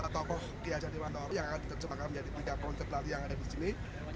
tokoh kiajani mana orang yang terjemahkan menjadi tiga koncepter yang ada di sini